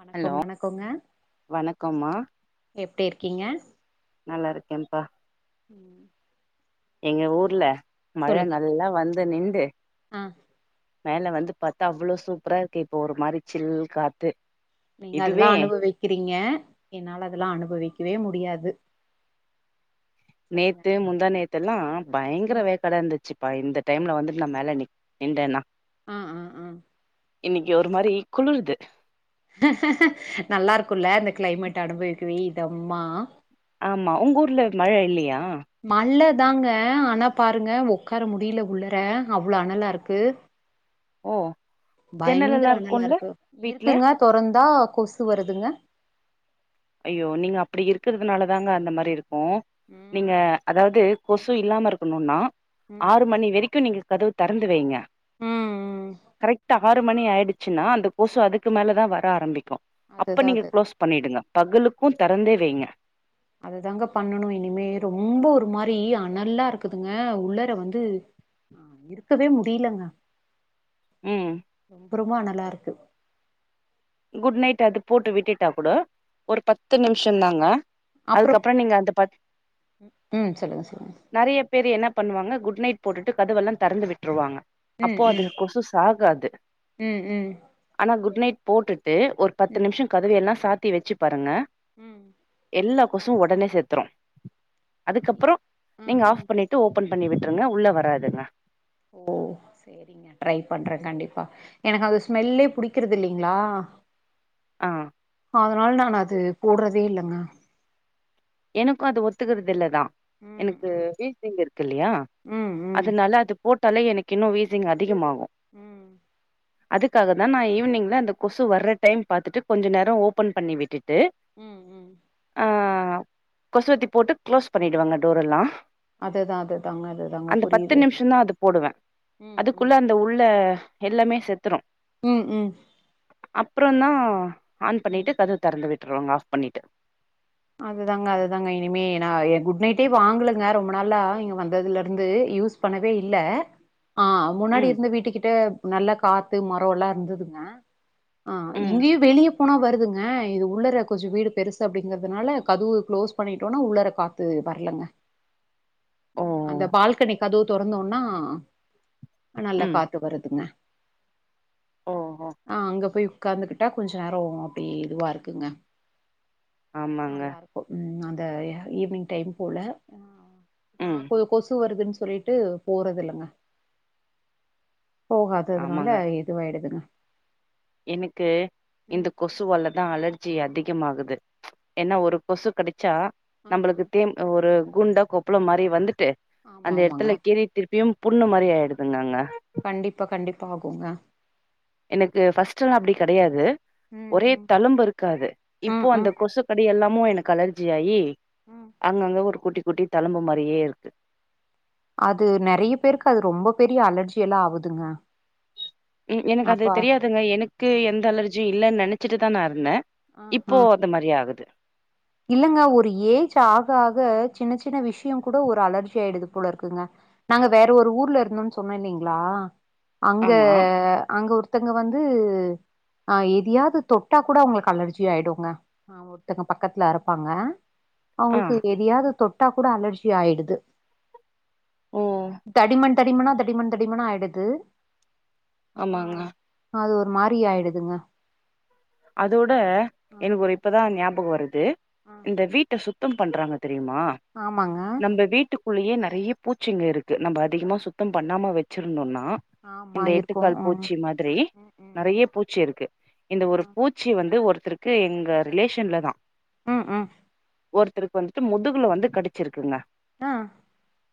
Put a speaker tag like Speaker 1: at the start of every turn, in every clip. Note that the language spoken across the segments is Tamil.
Speaker 1: வணக்கோ
Speaker 2: ஹலோ
Speaker 1: வணக்கோங்க
Speaker 2: வணக்கம்மா
Speaker 1: எப்டி இருக்கீங்க?
Speaker 2: நல்லா இருக்கேன்ப்பா
Speaker 1: ம்
Speaker 2: எங்க
Speaker 1: சொல்லுங்க
Speaker 2: ஊர்ல மழ
Speaker 1: சொல்லுங்க
Speaker 2: நல்லா வந்து நின்டு
Speaker 1: ஆ
Speaker 2: மேல வந்து பாத்தா அவ்ளோ சூப்பரா இருக்கு இப்போ ஒரு மாரி சில் காத்து
Speaker 1: நீங்க அதெல்லா
Speaker 2: இதுவே
Speaker 1: அனுபவிக்கிறீங்க என்னால அதெல்லா அனுபவிக்கவே முடியாது சொல்லுங்க
Speaker 2: நேத்து முந்தா நேத்தெல்லா பயங்கர
Speaker 1: ம்
Speaker 2: வேக்காடா இந்துச்சுப்பா இந்த டைம்ல வந்து நா மேல நி நின்டனா
Speaker 1: அ ஆ ஆ
Speaker 2: இன்னிக்கி ஒரு மாரி குளுருது
Speaker 1: நல்லா இருக்குல்ல இந்த கிளைமேட்ட அனுபவிக்கவே இதம்மா
Speaker 2: ஆமா உங்கூர்ல மழ இல்லீயா
Speaker 1: மழ தாங்க ஆனா பாருங்க ஒக்கார முடில உள்ள அவ்ளோ அனலா இருக்கு
Speaker 2: ஓ ஜன்னல்
Speaker 1: பயங்கர
Speaker 2: எல்லா
Speaker 1: அனலா
Speaker 2: இருக்குல்ல
Speaker 1: இருக்கு
Speaker 2: வீட்ல
Speaker 1: இருக்குங்க தொறந்தா கொசு வருதுங்க
Speaker 2: அய்யோ நீங்க அப்டி இருக்கறதுனாலதாங்க அந்த மாரி இருக்கு
Speaker 1: ம்
Speaker 2: ங்க அதாவது கொசு இல்லாம இருக்கனுன்னா
Speaker 1: ம்
Speaker 2: ஆறு மணி வரைக்கு நீங்க கதவு தெறந்து வைங்க
Speaker 1: ம் ம்
Speaker 2: கரெக்ட்டா ஆறு மணிஆயிடுச்சின்னா அந்த கொசு அதுக்கு மேலதா வர்ற ஆரம்பிக்கு அப்ப
Speaker 1: அதுதா
Speaker 2: நீங்க
Speaker 1: அது
Speaker 2: க்ளோஸ் பண்ணிடுங்க பகலுக்கு தெறந்தே வைங்க
Speaker 1: அதுதாங்க பண்ணணு இனிமே ரொம்ப ஒரு மாரி அனல்லா இருக்குதுங்க உள்ளார வந்து இருக்கவே முடியலங்க
Speaker 2: ம்
Speaker 1: ரொம்ப ரொம்ப அனலா இருக்கு
Speaker 2: குட் நைட் அது போட்டு விட்டுட்டா கூட ஒரு பத்து நிமிஷந்தாங்க
Speaker 1: அப்புறம்
Speaker 2: அதுக்கப்ற நீங்க அந்த பத்
Speaker 1: ம் சொல்லுங்க சொல்லுங்க
Speaker 2: நெறையா பேரு என்ன பண்ணுவாங்க குட் நைட் போட்டுட்டு கதவெல்லா தெறந்து விட்ருவாங்க
Speaker 1: ம்
Speaker 2: அப்போ அது
Speaker 1: ம்
Speaker 2: கொசு சாகாது
Speaker 1: ம் ம்
Speaker 2: ஆனா குட் நைட் போட்டுட்டு ஒரு பத்து
Speaker 1: ம்
Speaker 2: நிமிஷொ கதவ எல்லா சாத்தி வெச்சு பாருங்க
Speaker 1: ம்
Speaker 2: எல்லா கொசுவு ஒடனே செத்துரு அதுக்கப்பறோ
Speaker 1: ம்
Speaker 2: நீங்க
Speaker 1: ம்
Speaker 2: ஆஃப் பண்ணிட்டு ஓப்பன் பண்ணி விட்ருங்க உள்ள வராதுங்க
Speaker 1: ஓ சேர் செரிங்க ட்ரை பண்ற கண்டிப்பா எனக்கு அது ஸ்மெல்லே புடிக்கறதுல்லிங்களா
Speaker 2: ஆ
Speaker 1: அதனால நான் அது போட்றதே இல்லங்க
Speaker 2: எனக்கு அது ஒத்துக்கறது இல்லதா
Speaker 1: ம்
Speaker 2: எனக்கு
Speaker 1: ம்
Speaker 2: வீ சிங் இருக்கு இல்லயா
Speaker 1: ம் ம்
Speaker 2: அதனால அது போட்டாலே எனக்கு இன்னு வீசிங் அதிகமாகு
Speaker 1: ம்
Speaker 2: அதுக்காக தா நா ஈவினிங்ல அந்த கொசு வர்ற டைம் பாத்துட்டு கொஞ்ச நேரோ ஓப்பன் பண்ணி விட்டுட்டு
Speaker 1: ம் ம்
Speaker 2: ஆ கொசுவத்தி போட்டு க்ளோஸ் பண்ணிடுவாங்க டோர் எல்லாம்
Speaker 1: அதுதா அதுதாங்க அதுதாங்க
Speaker 2: அந்த பத்து
Speaker 1: புரியுது
Speaker 2: நிமிஷந்தா அது போடுவ
Speaker 1: ம் ம்
Speaker 2: அதுக்குள்ள அந் இந்த உள்ள எல்லாமே செத்துரு
Speaker 1: ம் ம்
Speaker 2: அப்புறந்தா ஆன்
Speaker 1: ம்
Speaker 2: பண்ணிட்டு கதவு தெறந்து விட்டுருவாங்க ஆஃப் பண்ணிட்டு
Speaker 1: அதுதாங்க அதுதாங்க இனிமே நா குட் நைட்டே வாங்கலங்க ரொம்ப நாளா இங்க வந்ததுல இருந்து யூஸ் பண்ணவே இல்ல ஆ முன்னாடி
Speaker 2: ம்
Speaker 1: இருந்து வீட்டுக்கிட்ட நல்ல காத் து மரோல்லா இருந்துதுங்க ஆ
Speaker 2: ம்
Speaker 1: இங்கியு வெளிய போனா வருதுங்க இது உள்ளர கொஞ்ச வீடு பெருசு அப்டிங்கற துனால கதுவு க்ளோஸ் பண்ணிட்டோன்னா உள்ளார காத்து வர்லங்க
Speaker 2: ஓ
Speaker 1: அந்த பால்கனி கதுவு தொறந்தோன்னா ஆ நல்லா
Speaker 2: ம்
Speaker 1: காத்து வருதுங்க
Speaker 2: ஓஹோ
Speaker 1: ஆ அங்க போய் உக்காந்துக்கிட்டா கொஞ்ச நேர அப்டி இதுவா இருக்குங்க
Speaker 2: ஆமாங்க
Speaker 1: நல்லாருக்கு ம் அந்த ஈவினிங் டைம் போல நா
Speaker 2: ம்
Speaker 1: கொ கொசு வருதுன்னு சொல்லிட்டு போறதுல்லங்க போகாது அதுனால
Speaker 2: ஆமாங்க
Speaker 1: இதுவாயிடுதுங்க
Speaker 2: எனக்கு இந்த
Speaker 1: ம்
Speaker 2: கொஸ் கொசுவாலதா அலர்ஜி அதிகமாகுது ஏன்னா ஒரு கொசு கெடச்சா நம்பளுக்கு தேம் ஆ ஒரு குண்டா கொப்பளம் மாரி வந்துட்டு
Speaker 1: ஆமா
Speaker 2: அந்த
Speaker 1: ஆமாங்க
Speaker 2: எடத்துல கீறி திருப்பியும் புண்ணு மாரி ஆயிடுதுங்க அங்க
Speaker 1: கண்டிப்பா கண்டிப்பா ஆகுங்க
Speaker 2: இது ஃபஸ்ட் எல்லா அப்டி கெடையாது
Speaker 1: ம்
Speaker 2: ஒரே
Speaker 1: ம்
Speaker 2: தழும்பு இருக்காது இப்போ
Speaker 1: ம்
Speaker 2: அந்த
Speaker 1: ம்
Speaker 2: கொசுக்கடி எல்லாமு எனக்கு அலர்ஜி ஆயி
Speaker 1: ம்
Speaker 2: அங்கங்க ஒரு கூட்டி குட்டி தழும்பு மாரியே இருக்கு
Speaker 1: அது நெறைய பேருக்கு அது ரொம்ப பெரிய அலர்ஜி எல்லா ஆவுதுங்க
Speaker 2: ம் எனக்கு அது
Speaker 1: அப்பா
Speaker 2: தெரியாதுங்க எனக்கு
Speaker 1: ஆ
Speaker 2: எந்த அலர்ஜியு இல்லன்னு நெனைச்சிட்டு தா நா இருந்த
Speaker 1: ஆ ஆ
Speaker 2: இப்போ இந்த மாரி ஆகுது
Speaker 1: இல்லங்க ஒரு ஏஜ் ஆக ஆக சின்ன சின்ன விஷய கூட ஒரு அலர்ஜி ஆயிடுது போல இருக்குங்க நாங்க வேற ஒரு ஊர்ல இருந்தோன்னு சொன்ன இல்லீங்களா அங்க
Speaker 2: ஆமா
Speaker 1: அங்க ஒரு த்தங்க வந்து ஆ எதையாது தொட்டா கூட அவுங்களுக்கு அலர்ஜி ஆயிடுங்க ஆ ஒர்த்தங்கப்பா பக்கத்துல இருப்பாங்க
Speaker 2: ஆ
Speaker 1: அவுங்களுக்கு எதையாது தொட்டா கூட அலர்ஜி ஆயிடுது
Speaker 2: ஓ
Speaker 1: தடிமண் தடிமணா தடிமண் தடிமணா ஆயிடுது ஆ
Speaker 2: ஆமாங்க
Speaker 1: அது ஒரு மாரி ஆயிடுதுங்க
Speaker 2: அதோட
Speaker 1: ஆ
Speaker 2: எனக்கு ஒரு இப்பதா ஞாபகோ வருது
Speaker 1: ஆ
Speaker 2: இந்த வீட்ட சுத்தம் பண்றாங்க தெரியுமா
Speaker 1: ஆமாங்க
Speaker 2: நம்ப வீட்டுக் குள்ளயே நெறைய பூச்சிங்க இருக்கு நம்ப அதிகமாக சுத்தம் பண்ணாம வச்சிருந்தோன்னா
Speaker 1: ஆமா
Speaker 2: இந்த
Speaker 1: இருக்கு
Speaker 2: எட்டுக்கால்
Speaker 1: ம்
Speaker 2: பூச்சி மாதிரி
Speaker 1: ம் ம்
Speaker 2: நெறைய பூச்சி இருக்கு இந்த ஒரு பூச்சி வந்து ஒருத்தருக்கு எங்க ரிலேஷன்லதா
Speaker 1: ம் ம்
Speaker 2: ஒருத்தருக்கு வந்துட்டு முதுகுல வந்து கடிச்சிருக்குங்க
Speaker 1: ஆ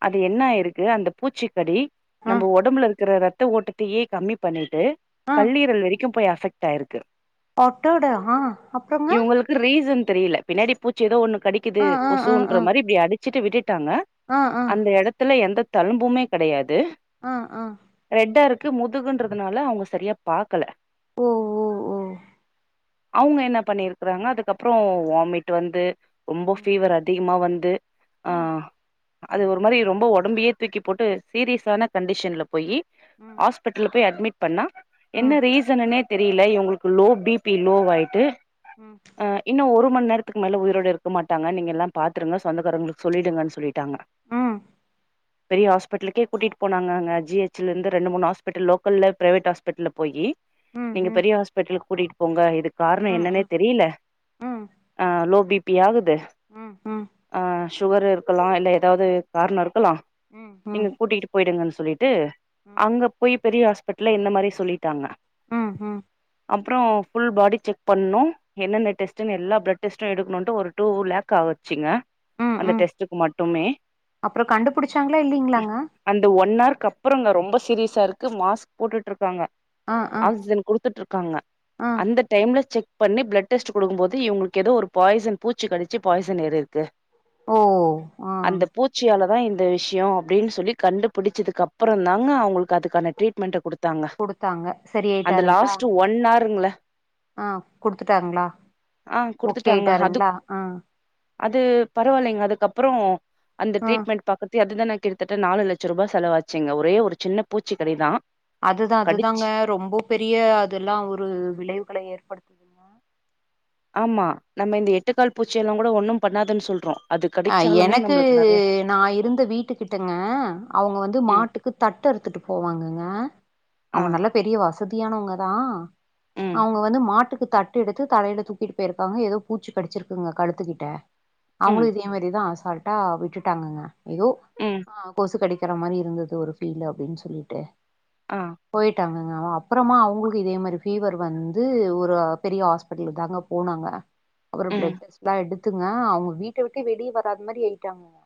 Speaker 2: அது என்ன ஆயிருக்கு அந்த பூச்சிக்கடி
Speaker 1: ஆ
Speaker 2: நம்ம ஒடம்புல இருக்குற ரத் த ஓட்டத்தையே கம்மி பண்ணிட்டு
Speaker 1: ஆ
Speaker 2: கல்லீரல் வரைக்கு போய் அஃபெக்ட் ஆயிருக்கு
Speaker 1: அட்டோட ஆ அப்புறங்க
Speaker 2: இவுங்களுக்கு ரீசன் தெரியல பின்னாடி பூச்சி ஏதோ ஒண்ணு கடிக்கிது
Speaker 1: ஆ ஆ ஆ ஆ
Speaker 2: கொசுன்ற மாரி இப்டி அடிச் சிட்டு விட்டுட்டாங்க
Speaker 1: ஆ ஆ
Speaker 2: அந்த எடத்துல எந்த தழும்புமே கெடையாது
Speaker 1: ஆ ஆ
Speaker 2: ரெட்டா இருக்கு முதுகுன்றதுனால அவுங்க சரியா பாக்கல
Speaker 1: ஓ ஓ ஓ
Speaker 2: அவுங்க என்ன பண்ணிருக்கறாங்க அதுக்கப்பறோ வாமிட் வந்து ரொம்ப
Speaker 1: ம்
Speaker 2: ஃபீவர் அதிகமா வந்து ஆ
Speaker 1: ம்
Speaker 2: அது ஒரு மாரி ரொம்ப ஒடம்பயே தூக்கி போட்டு சீரியஸான கண்டிஷன்ல போய்
Speaker 1: ம்
Speaker 2: ஆஸ் பிடல்ல போய் அட்மிட் பண்ணா என்ன
Speaker 1: ம்
Speaker 2: ரீசனுனே தெரியல இவுங்களுக்கு லோ பி பி லோவாயிட்டு
Speaker 1: ம்
Speaker 2: ஆ இன்னு ஒரு மணி நேரத்துக்கு மேலே உயிரோடு இருக்க மாட்டாங்க நீங்க எல்லா பாத்துருங்க சொந்தக்காரங்களுக்கு சொல்லிடுங்கன் சொல்லிட்டாங்க
Speaker 1: ம்
Speaker 2: பெரிய ஹாஸ்பிடல்க்கே கூட்டிட்டு போனாங்கங்க ஜிஹச்ல இருந்து ரெண்டு மூணு ஹாஸ்பிட்டல் லோக்கல்ல பிரவேட் ஹாஸ்பிட்டல்ல போய்
Speaker 1: ம்
Speaker 2: நீங்க
Speaker 1: ம்
Speaker 2: பெரிய ஹாஸ்பிட்டலுக்கு கூட்டிட்டு போங்க இதுக்கு காரணோ
Speaker 1: ம்
Speaker 2: என்னன்னே தெரியல
Speaker 1: ம்
Speaker 2: ஆ லோ பி பி ஆகுது
Speaker 1: ம் ம்
Speaker 2: ஆ சுகர் இருக்கலா இல்ல ஏதாவது காரணோ இருக்கலா
Speaker 1: ம்
Speaker 2: நீங்க
Speaker 1: ம்
Speaker 2: கூட்டிட்டு போயிடுங்கன்னு சொல்லிட்டு அங்க போய் பெரிய ஹாஸ்பிட்டல்ல இந்த மாரி சொல்லிட்டாங்க
Speaker 1: ஆ ஆ
Speaker 2: அப்பறோ ஃபுல் பாடி செக் பண்ணணு என்னென்ன டெஸ்டுன்னு எல்லா பிளட் டெஸ்ட்டு எடுக்கனுன்ட்டு ஒரு டூ லேக் ஆகுச்சிங்க
Speaker 1: ம்
Speaker 2: அந்த
Speaker 1: ம்
Speaker 2: டெஸ்ட்டுக்கு மட்டுமே
Speaker 1: அப்புறோ கண்டுபுடிச்சாங்களா இல்லைங்களாங்க
Speaker 2: அந்த ஒன் அவர்க்கு அப்பறங்க ரொம்ப சீரியஸா இருக்கு மாஸ்க் போட்டுட்டு இருக்காங்க
Speaker 1: ஆ ஆ
Speaker 2: ஆக்சிஜன் குடுத் துட்டு இருக்காங்க
Speaker 1: ஆ
Speaker 2: அந்த டைம்ல செக் பண்ணி பிளட் டெஸ்ட் குடுக்கும்போது இவுங்களுக்கு ஏதோ ஒரு பாய்சன் பூச்சி கடிச்சி பாய்சன் ஏறி இருக்கு
Speaker 1: ஓ ஆ
Speaker 2: அந்த பூச்சியால தா இந்த விஷயோ அப்டின் சொல்லி கண்டுபிடிச்சதுக்கு அப்பறந்தாங்க அவுங்களுக்கு அதுக்கான ட்ரீட்மெண்ட்ட குடுத்தாங்க
Speaker 1: குடுத்தாங்க சரி
Speaker 2: அந்த
Speaker 1: ஆயிட்டாருங்களா
Speaker 2: லாஸ்ட்டு ஒன் ஆர்ங்கள
Speaker 1: ஆ குடுத்துட்டாங்களா
Speaker 2: ஆ
Speaker 1: ஓகே
Speaker 2: குடுத்துட்டாங்க அது
Speaker 1: ஆயிட்டாருங்களா ஆ
Speaker 2: அது பரவாயில்லங்க அதுக்கப்பறோ அந்த
Speaker 1: ஆ
Speaker 2: ட்ரீட்மெண்ட் பாக்கர்தையே அது தா எனக்கு கிட்டதட்ட நாலு லட்ச ரூபா செவாச்சிங்க ஒரே ஒரு சின்ன பூச்சிக்கடி தா
Speaker 1: அது தா அதுதாங்க
Speaker 2: கடிச்சு
Speaker 1: ரொம்ப பெரிய அதெல்லா ஒரு விளைவுகள ஏற்படுத்
Speaker 2: ஆமா நம்ம இந்த எட்டுக்கால் பூச்சி எல்லா கூட ஒண்ணு பண்ணாதுன்னு சொல்றோ அது
Speaker 1: ஆ
Speaker 2: கடிச்சாலுமே
Speaker 1: எனக்கு
Speaker 2: நம்மளுக்கு நெறைய
Speaker 1: நா இருந்த வீட்டுக்கிட்டங்க அவுங்க வந்து
Speaker 2: ம்
Speaker 1: மாட்டுக்கு தட்டு அறுத்துட்டு போவாங்கங்க
Speaker 2: ஆ
Speaker 1: அவுங்க நல்லா பெரிய வசதியானவங்க தா
Speaker 2: ம்
Speaker 1: அவங்க வந்து மாட்டுக்கு தட் டு எடுத்து தலயில தூக்கிட்டு போயிருக்காங்க ஏதோ பூச்சி கடிச்சிருக்குங்க கழுத்துக்கிட்ட அவங்களு
Speaker 2: ம்
Speaker 1: இதே தா அசால்டா விட்டுட்டாங்கங்க ஏதோ
Speaker 2: ம்
Speaker 1: ஆ கொசு கடி க்கிற மாரி இருந்துது ஒரு ஃபீல் அப்டின் சொல்லிட்டு
Speaker 2: ஆ
Speaker 1: போய்ட்டாங்கங்க அவ அப்றமா அவங்களுக்கு இதே மாரி ஃபீவர் வந்து ஒரு பெரிய ஹாஸ் பிட்லு தாங்க போனாங்க அப்பறோ
Speaker 2: ம்
Speaker 1: பிளட்டெஸ்லா எடுத்துங்க அவங்க வீட்ட‌ ட்டு வெளியே வராத மாரி ஆயிட்டாங்கங்க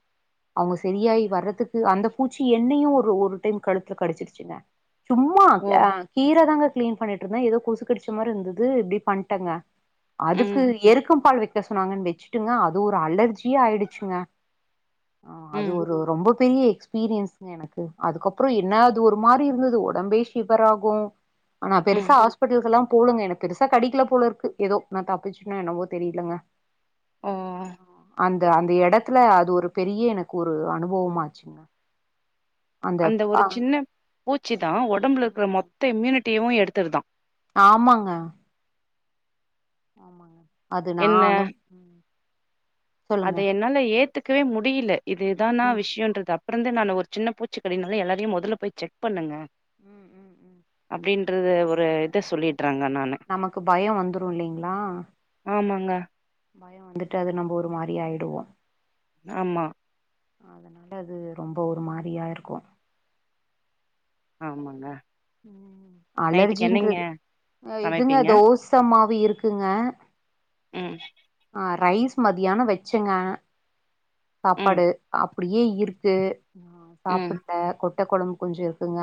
Speaker 1: அவங்க செரியாய் வரதுக்கு அந்த பூச்சி என்னையு ஒரு ஒரு டைம் கழுத்துல கடிச்சிடிச்சுங்க சும்மா
Speaker 2: ஓ
Speaker 1: க்யா கீர தாங்க க்ளீன் பண்ணிட்ருந்தே ஏதோ கொசு கடிச்ச மாருந்தது இப்டி பண்ட்டங்க அதுக்கு
Speaker 2: ம்
Speaker 1: எருக்கம் பால் வெக்க சொன்னாங்கன் வெச்சுட்டுங்க அது ஒரு அலர் ஜி ஆயிடிச்சிங்க ஆ அது
Speaker 2: ம்
Speaker 1: ஒரு ரொம்ப பெரிய எக்ஸ் பீரியன்ஸுங்க எனக்கு அதுக்கப்றோ என்ன அது ஒரு மாரி இருந்தது உடம்பே ஷிபர் ஆகூ ஆனா
Speaker 2: ம்
Speaker 1: பெருசா ஹாஸ்பிட்டலுக்கெல்லா போலங்க எனக் பெருசா கடிக்கல போல இருக்கு ஏதோ நா தப்பிச்சுன்னா என்னவோ தெரியலங்க
Speaker 2: ஓ
Speaker 1: அந்த அந்த எடத்துல அது ஒரு பெரிய எனக்கு ஒரு அனுபவமாச்சுங்க
Speaker 2: அந்த ஒரு சின்ன பூச்சி தா ஒடம்புல இருக்ற
Speaker 1: ம்
Speaker 2: மொத்த இம்யூனிட்டியவு எடுத்துருதா
Speaker 1: ஆமாங்க ஆமாங்க அது நா
Speaker 2: என்ன
Speaker 1: அனு ம் சொல்லுங்க
Speaker 2: அத என்னால ஏத்துக்கவே முடியில இது
Speaker 1: ம்
Speaker 2: இதானா
Speaker 1: ம்
Speaker 2: விஷ்யோன்றது அப் பறந்து நா ஒரு சின்ன பூச்சி கடினால எல்லாரையு மொதல்ல போய் செக் பண்ணுங்க
Speaker 1: ம் ம் ம்
Speaker 2: அப்டின் று ஒரு இத சொல்லிட்றங்க நானு
Speaker 1: நமக்கு பயோ வந்துரு இல்லிங்ளா
Speaker 2: ஆமாங்க
Speaker 1: பயொ வந்துட்டு அது நம்ப ஒரு மாரி ஆயிடுவோ
Speaker 2: ஆமா
Speaker 1: அதனால அது ரொம்ப ஒரு மாரியா இருக்கூ
Speaker 2: ஆமாங்க
Speaker 1: ம்
Speaker 2: நைட்டுக்கு என்னங்க
Speaker 1: அலர்ஜின்றது அ இதுங்க
Speaker 2: சமைப்பீங்க
Speaker 1: தோசமாவு இருக்குங்க
Speaker 2: ம்
Speaker 1: ஆ ரைஸ் மதியான வெச்சங்க
Speaker 2: ம்
Speaker 1: சாப்பாடு அப்டியே இருக்கு
Speaker 2: ம்
Speaker 1: சாப்புட்ட கொட்ட கொழம்பு கொஞ்சொ இருக்குங்க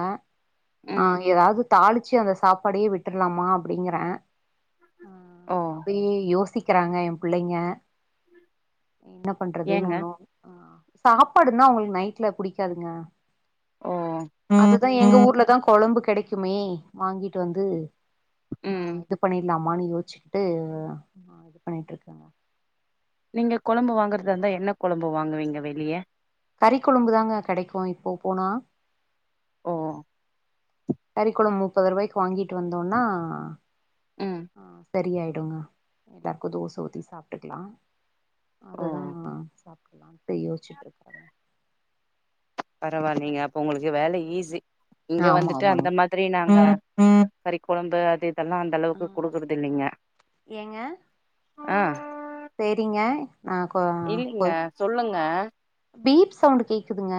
Speaker 1: ஆ
Speaker 2: ம்
Speaker 1: ஏதாது தாளிச்சி அந்த சாப்பாடயே விட்டுர்லாமா அப்டிங்கிறே ஆ
Speaker 2: ஓ
Speaker 1: யே யோசிக்கிறாங்க ஏ பிள்ளைங்க என்ன பண்றதுன்
Speaker 2: ஏங்க
Speaker 1: ஒன்னூ ஆ சாப்பாடுனா அவுங்களுக் நைட்ல புடிக்காதுங்க
Speaker 2: ஓ
Speaker 1: அதுதா எங்க ஊர்லதா கொழம்பு கெடைக்குமே வாங்கிட்டு வந்து ஆ
Speaker 2: ம்
Speaker 1: இது பண்ணிட்லாமான் யோச்சுக்கிட்டு அ இது பண்ணிட்டுருக்
Speaker 2: நீங்க கொழம்பு வாங்கறதா இருந்தா என்ன கொழம்பு வாங்குவீங்க வெளிய
Speaker 1: கறிக்கொழம்பு தாங்க கெடைக்கூ இப்போ போனா
Speaker 2: ஓ
Speaker 1: கறிக்கொழம் முப்பதுருவாய்க்கு வாங்கிட்டு வந்தோனா
Speaker 2: ம்
Speaker 1: ஆ சரியாயிடுங்க எல்லாருக்கு தோச ஊத்தி சாப்ட்டுக்லா அததா
Speaker 2: ஓ
Speaker 1: சாப்டலான்ட்டு யோசிச்சுட்ருக்க
Speaker 2: பரவால்லிங்க அப்ப ஒங்களுக்கு வேல ஈஸி இங்க
Speaker 1: ஆமா
Speaker 2: வந்துட்டு
Speaker 1: ஆமாங்க
Speaker 2: அந்த மா ரினாங்க கறி கொழம்பு அது இதெல்லா அந்த
Speaker 1: ஆ
Speaker 2: அளவுக்கு குடுக்குறது இல்லிங்க
Speaker 1: ஏங்க
Speaker 2: ஆ
Speaker 1: சேரிங்க நா கொ
Speaker 2: இல்லைங்க
Speaker 1: கொ
Speaker 2: சொல்லுங்க
Speaker 1: பீப் சவுண்டு கேக்குதுங்க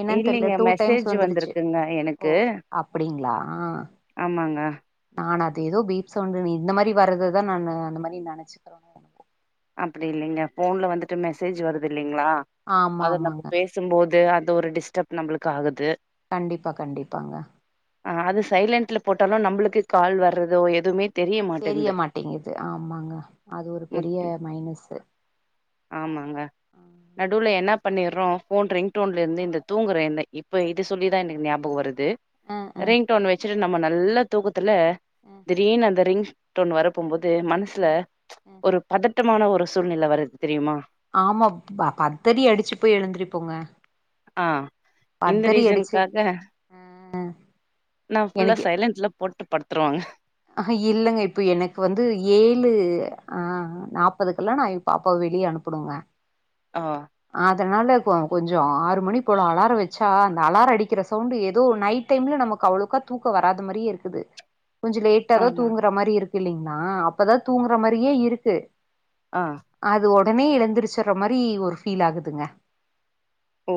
Speaker 1: என்னான் தெரில
Speaker 2: இல்லைங்க
Speaker 1: டூ டைம்ஸ்
Speaker 2: மெசேஜ்
Speaker 1: வந்துருச்சு
Speaker 2: வந்திருக்குங்க
Speaker 1: ஓ
Speaker 2: எனக்கு
Speaker 1: அப்டிங்ளா
Speaker 2: ஆமாங்க
Speaker 1: நா அது ஏதோ பீப் சவுண்டுனு இந்த மாரி வர்றதுதா நா அந்த மாரி நெனைச்சுக்கிறே
Speaker 2: அப்டி இல்லிங்க போன்ல வந்துட்டு மெசேஜ் வருது இல்லிங்ளா
Speaker 1: ஆமா
Speaker 2: அத நம்ம
Speaker 1: ஆமாங்க
Speaker 2: பேச சும்போது அது ஒரு டிஸ்டரப் நம்ளுக்கு ஆகுது
Speaker 1: கண்டிப்பா கண்டிப்பாங்க
Speaker 2: ஆ அது சைலன்ட்ல போட்டாலு நம்ளுக்கு கால் வர்றதோ எதுமே
Speaker 1: தெரிய மாட்டேங்குது ஆ ஆமாங்க அது ஒரு பெரிய
Speaker 2: முக்கியம்
Speaker 1: மைனஸ்ஸு
Speaker 2: ஆமாங்க நடுல என்னாப் பண்ணிறோ போன் ரிங் டோன்லேருந்து இந்த தூங்குற இந்த இப்போ இது சொல்லி தா எனக்கு ஞாபகொ வருது
Speaker 1: ஆ ஆ
Speaker 2: ரிங்டோன் வச்சுட்டு நம்ம நல்ல தூக்கத்துல
Speaker 1: ம்
Speaker 2: திடீர்னு அந்த ரிங்டோன் வரப்பமோது மன்சுல
Speaker 1: ஆ
Speaker 2: ஒரு பதட் தடமான ஒரு சூழ்நிலை வருது தெரியுமா
Speaker 1: ஆமா பத்தறி அடிச்சு போய் எழுந்துரி போங்க
Speaker 2: ஆ இந்த
Speaker 1: அடிச்சு
Speaker 2: ரீசனுக்காக
Speaker 1: ஆ
Speaker 2: நா புல்லா சைலன்ட்ல போட்டு படுத்துருவங்க
Speaker 1: அ இல்லங்க இப்போ எனக்கு வந்து ஏழு ஆ நாப்பதுக்கெல்லா நா ஏ பாப்பாவ வெளியே அனுப்பனுக
Speaker 2: ஆ
Speaker 1: அதனால கொ கொஞ்சம் ஆறு மணி போல அலாரம் வச்சா அந்த அலாரம் அடிக்கிற சவுண்ட் ஏதோ நைட் டைம்ல நமக்கு அவ்ளேவுக்கா தூக்க வராத மாரி இருக்குது கொஞ்சம் லேட்ட தா
Speaker 2: ஆமா
Speaker 1: தூங்குற மாரி இருக்கு இல்லலைங்கா அப்பதா தூங்குற மாரியே இருக்கு
Speaker 2: ஆ
Speaker 1: அது உடனே எழுந்திரச்சடுற மாரி ஒரு ஃபீல் ஆகுதுங்க
Speaker 2: ஓ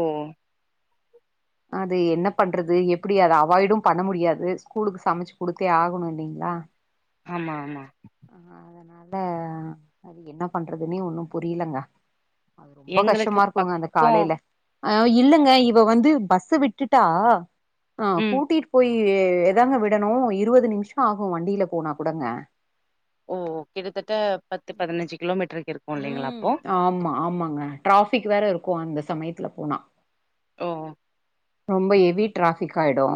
Speaker 1: அது என்ன பண்றது எப்டி அத அவாய்டும் பண்ண முடியாது ஸ்கூலுக்கு சமைச்சு கொடுத்தே ஆகணும் இல்லங்களா
Speaker 2: ஆமா ஆமா
Speaker 1: ஆ அதனால என்ன பண்றதுன்னே ஒன்னு புரியலங்க ரொம்ப
Speaker 2: எங்களுக்கு
Speaker 1: கஷ்டமா இருக்குங்க அந்த
Speaker 2: பக்கோ
Speaker 1: காலைல ஆ இல்லங்க இவ வந்து பஸ்ஸு விட்டுட்டா ஆ
Speaker 2: ம்
Speaker 1: கூட்டிட்டு போய் ஏதாங்க விடணு இருபது நிமிஷம் ஆகும் வண்டியில போனா கூடங்க
Speaker 2: ஓ கிட்டத்தட்ட பத்து பதினஞ்சு கிலோமீட்டருக்கு இருக்கு இல்லைங்களா
Speaker 1: ம்
Speaker 2: அப்போ
Speaker 1: ஆமா ஆமாங்க டிராபிக் இருக்கு அந்த சமைத்தல் போனா
Speaker 2: ஓ
Speaker 1: ரொம்ப ஹவி ட்ராஃபிக் ஆயிடு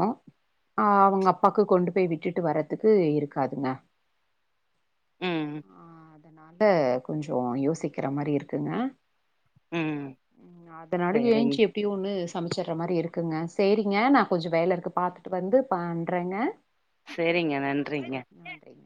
Speaker 1: அ அவங்க அப்பாக்கு கொண்டு போய் விட்டுட்டு வரதுக்கு இருக்காதுங்க
Speaker 2: ம்
Speaker 1: ஆ அதனால கொஞ்சே யோசிக்கிற மாரி இருக்குங்க
Speaker 2: ம்
Speaker 1: ம் அதனால
Speaker 2: சரிங்
Speaker 1: எந்துசு டியூனு சமைச்சிட்ற மாரி இருக்குங்க சேரிங்க நா கொஞ்ச வேல இருக்கு பாத்துட்டு வந்து பண்றேங்க
Speaker 2: சேரிங்க நன்றிங்க
Speaker 1: ஆ, நன்றிங்க